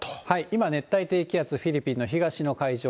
今、熱帯低気圧、フィリピンの東の海上。